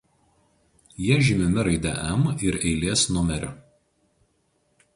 Jie žymimi raide "M" ir eilės numeriu.